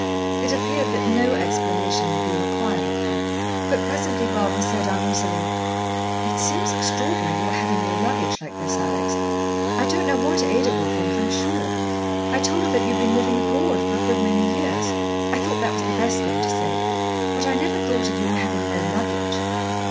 It appeared that no explanation would be required of her. But presently Barbara said uneasily: "It seems extraordinary, your having no luggage like this, Alex. I don't know what Ada will think, I'm sure. I told her that you'd been living abroad for a good many years I thought that was the best thing to say. But I never thought of your having no luggage."